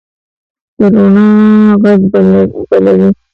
د روڼا ږغ بلوي